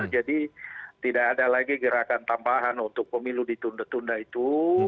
jadi tidak ada lagi gerakan tambahan untuk pemilu ditunda tunda itu